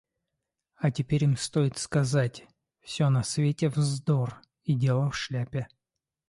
А теперь им стоит сказать: все на свете вздор! - и дело в шляпе.